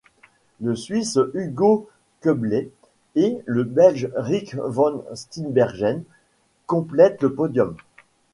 Le Suísse Hugo Koblet et le belge Rik van Steenbergen complètent le podium.